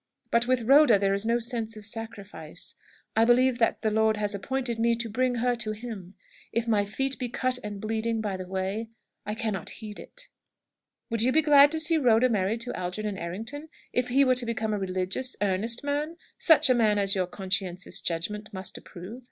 But with Rhoda there is no sense of sacrifice. I believe that the Lord has appointed me to bring her to Him. If my feet be cut and bleeding by the way, I cannot heed it." "Would you be glad to see Rhoda married to Algernon Errington if he were to become a religious, earnest man such a man as your conscientious judgment must approve?"